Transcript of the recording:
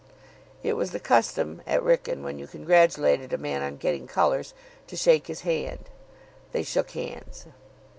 It was the custom at Wrykyn, when you congratulated a man on getting colours, to shake his hand. They shook hands.